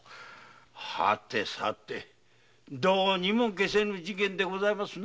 はてさてどうにも解せぬ事件でございますな。